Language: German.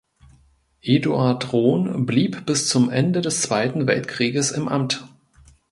Eduard Rohn blieb bis zum Ende des Zweiten Weltkrieges im Amt.